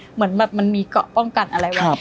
เหมือนแบบมันมีเกาะป้องกันอะไรไว้